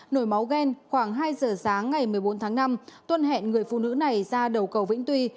nổi máu ghen khoảng hai giờ sáng ngày một mươi bốn tháng năm tuân hẹn người phụ nữ này ra đầu cầu vĩnh tuy